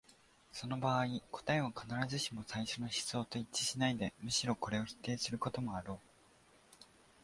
その場合、答えは必ずしも最初の思想と一致しないで、むしろこれを否定することもあろう。